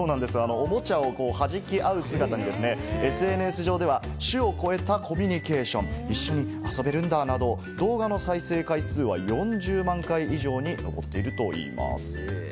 オモチャを弾き合う姿に、ＳＮＳ上では、種を超えたコミュニケーション、一緒に遊べるんだ、など動画の再生回数は４０万回以上になっているといいます。